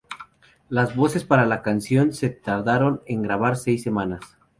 Las voces para esta canción se tardaron en grabar seis semanas.